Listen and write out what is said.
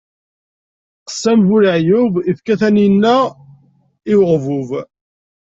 Qessam bu leɛyub, ifka taninna i uɣbub.